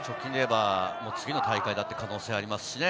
次の大会だって可能性ありますしね。